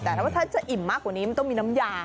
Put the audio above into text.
แต่ถ้าว่าถ้าจะอิ่มมากกว่านี้มันต้องมีน้ำยา